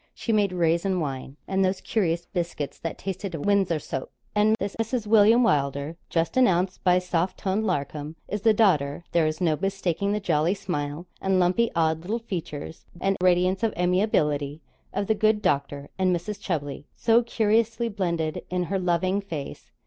She made raisin wine, and those curious biscuits that tasted of Windsor soap. And this Mrs. William Wylder just announced by soft toned Larcom, is the daughter (there is no mistaking the jolly smile and lumpy odd little features, and radiance of amiability) of the good doctor and Mrs. Chubley, so curiously blended in her loving face.